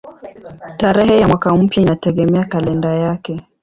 Tarehe ya mwaka mpya inategemea kalenda yake.